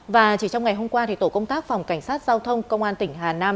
và chỉ trong ngày hôm qua tổ công tác phòng cảnh sát giao thông công an tỉnh hà nam